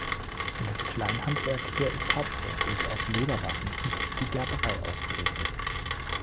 Das Kleinhandwerk hier ist hauptsächlich auf Lederwaren und die Gerberei ausgerichtet.